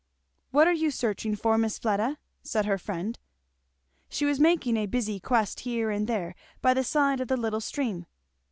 "What are you searching for, Miss Fleda?" said her friend. She was making a busy quest here and there by the side of the little stream.